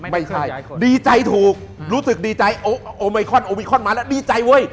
ไม่ใช่ดีใจถูกรู้สึกดีใจโอไมคอนโอมิคอนมาแล้วดีใจเว้ย